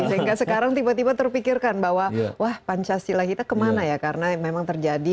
sehingga sekarang tiba tiba terpikirkan bahwa wah pancasila kita kemana ya karena memang terjadi